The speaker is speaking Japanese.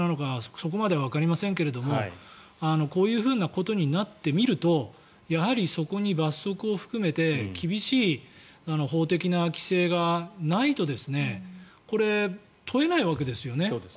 そこまではわかりませんけどもこういうふうなことになってみるとやはりそこに罰則を含めて厳しい法的な規制がないとこれ、問えないわけですよね。